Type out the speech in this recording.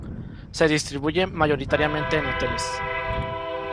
Se distribuye mayoritariamente en hoteles.